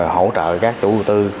hỗ trợ các chủ tư